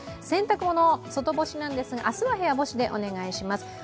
洗濯物、外干しなんですが、明日は部屋干しでお願いします。